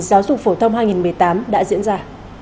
giáo dục phổ thông hai nghìn một mươi tám đã diễn ra